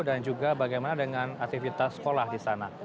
dan juga bagaimana dengan aktivitas sekolah di sana